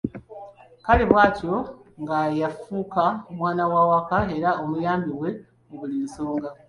Kale bw'atyo nga yafuuka mwana wa waka, era omuyambi we mu buli nsonga.